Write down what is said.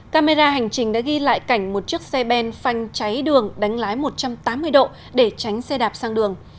camera hành trình đã ghi lại cảnh một chiếc xe ben phanh cháy đường đánh lái một trăm tám mươi độ để tránh xe đạp sang đường